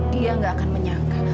dia gak akan menyangka